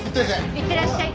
いってらっしゃい。